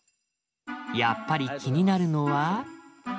やっぱり気になるのは。